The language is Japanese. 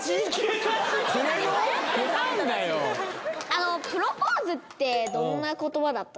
あのプロポーズってどんな言葉だったんですか？